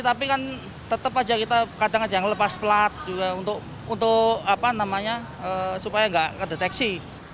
tapi kan tetap saja kita kadang kadang lepas pelat juga untuk supaya tidak kedeteksi